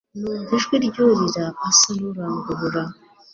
numva ijwi ry'urira asa nurangurura